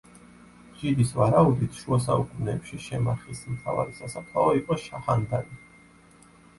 ჯიდის ვარაუდით, შუა საუკუნეებში შემახის მთავარი სასაფლაო იყო შაჰანდანი.